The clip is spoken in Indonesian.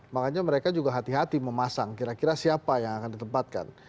makanya mereka juga hati hati memasang kira kira siapa yang akan ditempatkan